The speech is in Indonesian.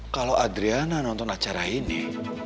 kalau adriana nonton acara ini